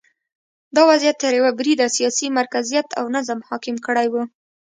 دا وضعیت تر یوه بریده سیاسي مرکزیت او نظم حاکم کړی و